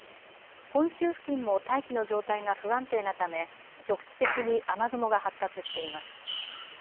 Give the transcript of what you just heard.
本州付近も大気の状態が不安定なため局地的に雨雲が発達しています。